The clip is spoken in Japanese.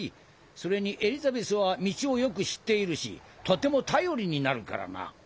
それにエリザベスは道をよく知っているしとても頼りになるからな。